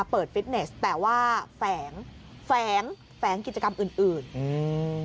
ฟิตเนสแต่ว่าแฝงแฝงแฝงกิจกรรมอื่นอื่นอืม